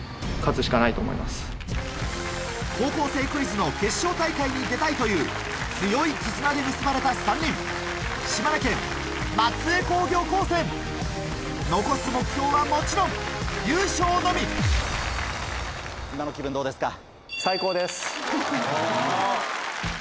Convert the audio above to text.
『高校生クイズ』の決勝大会に出たいという強い絆で結ばれた３人島根県松江工業高専残す目標はもちろん優勝のみ今の気分どうですか？